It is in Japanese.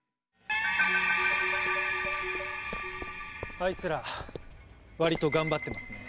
あいつら割と頑張ってますね。